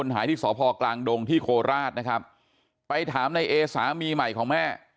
หายที่สพกลางดงที่โคราชนะครับไปถามในเอสามีใหม่ของแม่